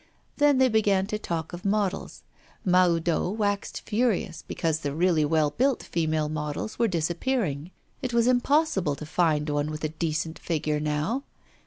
Then they began to talk of models. Mahoudeau waxed furious, because the really well built female models were disappearing. It was impossible to find one with a decent figure now.